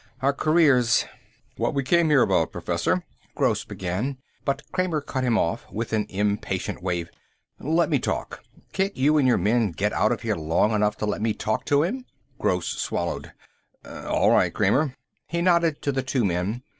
Our careers " "What we came here about, Professor," Gross began, but Kramer cut him off with an impatient wave. "Let me talk. Can't you and your men get out of here long enough to let me talk to him?" Gross swallowed. "All right, Kramer." He nodded to the two men.